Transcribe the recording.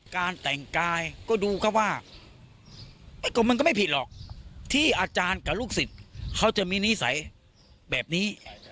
การแต่งกายก็ดูครับว่ามันก็ไม่ผิดหรอกที่อาจารย์กับลูกศิษย์เขาจะมีนิสัยแบบนี้